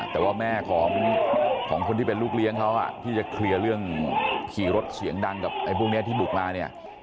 แต่ว่าแม่ของคนที่เป็นลูกเลี้ยงเขาที่จะเคลียร์เรื่องขี่รถเสียงดังกับไอ้พวกนี้ที่บุกมาเนี่ย